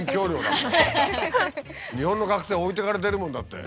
日本の学生は置いていかれてるもんだって。